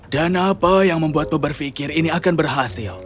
dan apa yang membuatmu berpikir ini akan berhasil